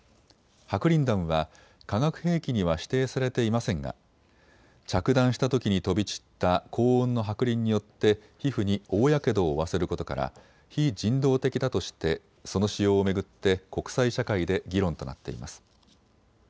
白リン弾は、化学兵器には指定されていませんが着弾したときに飛び散った高温の白リンによって皮膚に大やけどを負わせることから非人道的だとしてその使用を巡って国際社会で議論となっています。